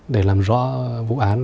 để làm rõ vụ án